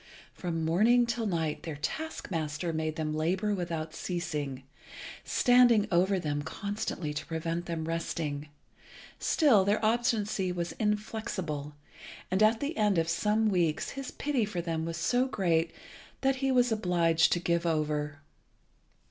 From morning till night their task master made them labour without ceasing, standing over them constantly to prevent them resting. Still their obstinacy was inflexible, and at the end of some weeks his pity for them was so great that he was obliged to give over.